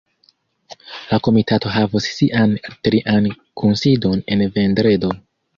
La komitato havos sian trian kunsidon en vendredo.